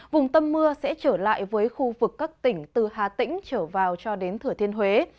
vùng tâm mưa sẽ trở lại với khu vực các tỉnh từ hà tĩnh trở vào cho đến thừa thiên huế